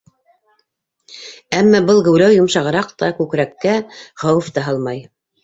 Әммә был геүләү йомшағыраҡ та, күкрәккә хәүеф тә һалмай...